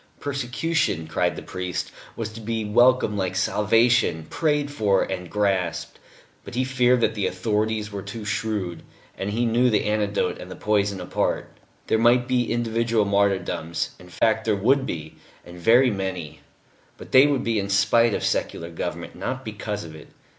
Persecution, cried the priest, was to be welcomed like salvation, prayed for, and grasped; but he feared that the authorities were too shrewd, and knew the antidote and the poison apart. There might be individual martyrdoms in fact there would be, and very many but they would be in spite of secular government, not because of it.